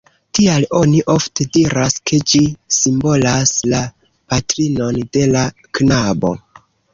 Tial oni ofte diras, ke ĝi simbolas la patrinon de la knabo.